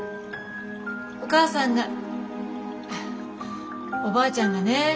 お母さんがおばあちゃんがね